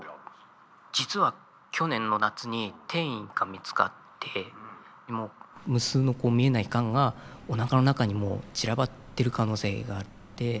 実は去年の夏に転移が見つかってもう無数の見えないガンがおなかの中にもう散らばってる可能性があって。